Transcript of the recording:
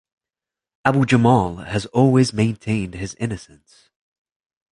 Abu-Jamal has always maintained his innocence.